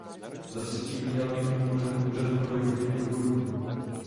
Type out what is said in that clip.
Zatřetí by měl být podpořen Úřad pro boj proti podvodům.